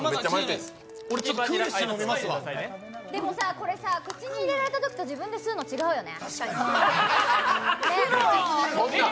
これ、口に入れられたときと自分で吸うの違うよね。